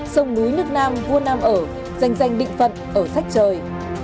sông núi nước nam vua nam ở danh danh định phận ở sách trời